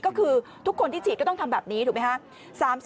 ก็คือทุกคนที่ฉีดก็ต้องทำแบบนี้ถูกไหมครับ